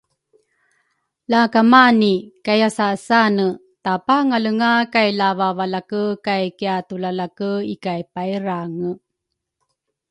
Lakamani kayasasane tapangalenga kay lavavalake kay kiatulalake ikay pairange